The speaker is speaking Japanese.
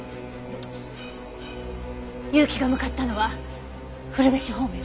結城が向かったのは古辺市方面。